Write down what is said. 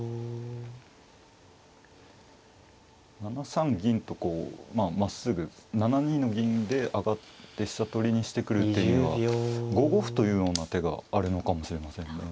７三銀とこうまあまっすぐ７二の銀で上がって飛車取りにしてくる手には５五歩というような手があるのかもしれませんね。